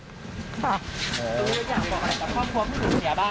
หนูอยากบอกอะไรกับครอบครัวผู้สูญเสียบ้าง